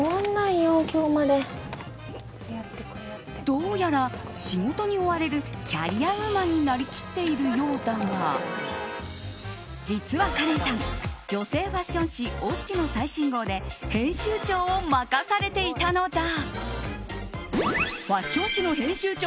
どうやら、仕事に追われるキャリアウーマンになりきっているようだが実は、カレンさん女性ファッション誌「Ｏｇｇｉ」の最新号で編集長を任されていたのだ。